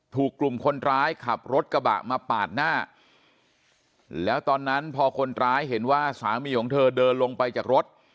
ถูกกลุ่มคนร้ายขับรถกระบะมาปาดหน้าแล้วตอนนั้นพอคนร้ายเห็นว่าสามีของเธอเดินลงไปจากรถ